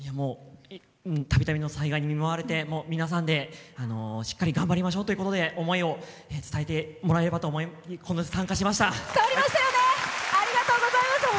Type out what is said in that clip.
たびたびの災害に見舞われても皆さんで、しっかり頑張りましょうということで思いが伝わればと思い参加しました。